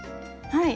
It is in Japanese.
はい。